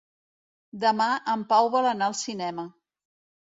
Demà en Pau vol anar al cinema.